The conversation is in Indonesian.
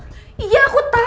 tapi anden juga penting